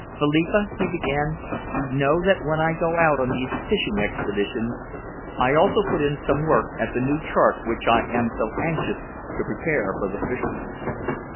"Philippa," he began, "you know that when I go out on these fishing expeditions, I also put in some work at the new chart which I am so anxious to prepare for the fishermen."